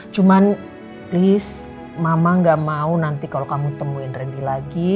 cuman please mama gak mau nanti kalau kamu temuin randy lagi